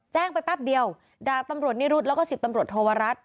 แจ้งไปแป๊บเดียวดาบตำรวจนิรุธแล้วก็๑๐ตำรวจโทวรัฐ